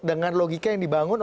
dengan logika yang dibangun